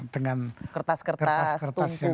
kertas kertas tumpukan tumpukan buku